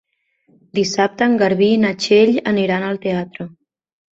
Dissabte en Garbí i na Txell aniran al teatre.